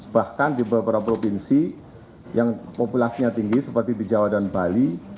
bahkan di beberapa provinsi yang populasinya tinggi seperti di jawa dan bali